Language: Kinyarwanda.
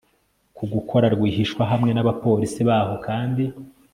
ku gukora rwihishwa hamwe n'abapolisi baho kandi